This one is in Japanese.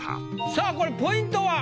さぁこれポイントは？